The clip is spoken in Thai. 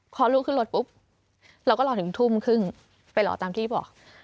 พอลูกขึ้นรถปุ๊บเราก็รอถึงทุ่มครึ่งไปรอตามที่บอก